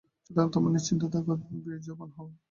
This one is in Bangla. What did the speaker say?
সুতরাং তোমরা নিশ্চিন্ত থাক এবং বীর্যবান হও।